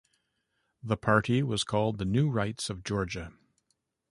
The party was called the New Rights of Georgia.